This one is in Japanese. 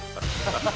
ハハハハ。